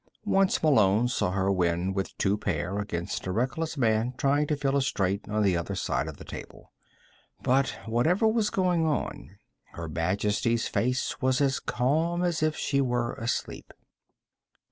Once Malone saw her win with two pair against a reckless man trying to fill a straight on the other side of the table. But whatever was going on, Her Majesty's face was as calm as if she were asleep.